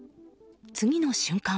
次の瞬間。